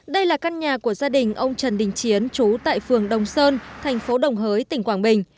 đây là căn nhà của gia đình ông trần đình chiến chú tại phường đồng sơn thành phố đồng hới tỉnh quảng bình